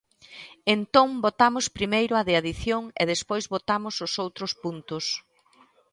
Entón votamos primeiro a de adición e despois votamos os outros puntos.